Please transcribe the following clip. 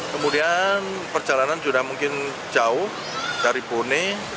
kemudian perjalanan sudah mungkin jauh dari bone